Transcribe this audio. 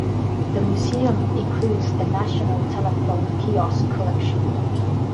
This museum includes the National telephone kiosk Collection.